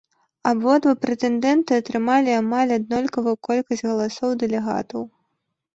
Абодва прэтэндэнты атрымалі амаль аднолькавую колькасць галасоў дэлегатаў.